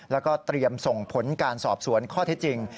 แล้วก็เตรียมส่งผลการสอบสวนข้อเท็จจริง